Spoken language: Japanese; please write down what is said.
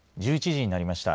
１１時になりました。